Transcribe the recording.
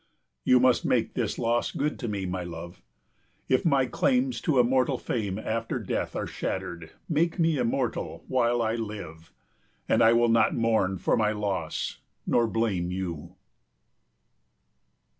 You must make this loss good to me, my love. If my claims to immortal fame after death are shattered, make me immortal while I live. And I will not mourn for my loss nor blame you.